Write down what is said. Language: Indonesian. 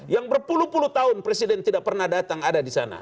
yang berpuluh puluh tahun presiden tidak pernah datang ada di sana